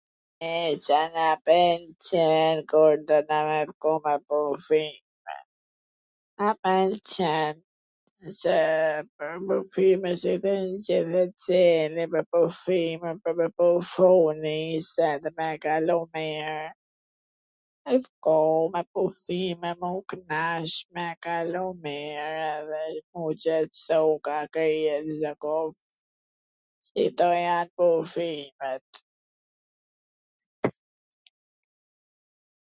E Ca na pwlqen kur kena me shku me pushime? Na pwlqen qw shkojm me pushime, me pushu nji send, me kalu mir, me shku me pushime me u knaq, me kalu mir edhe m u qetsu, pse u ka kry edhe ... Njikto jan pushimet...